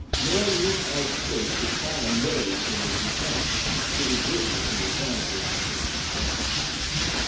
Nor need I state the time made in the descent; it is written in the chronicles of Simpson's Bar.